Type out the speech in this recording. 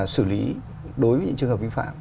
xử lý đối với những trường hợp vi phạm